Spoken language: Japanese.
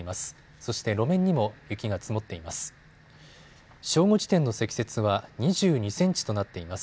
そして路面にも雪が積もっています。